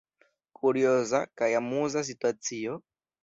Kurioza kaj amuza situacio?